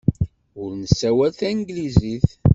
Ur nessawal tanglizit.